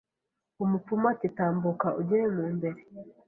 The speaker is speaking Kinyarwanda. Umupfumu ati tambuka ujye mu mbere